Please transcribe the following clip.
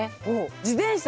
自転車